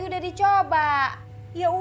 apa siapa itu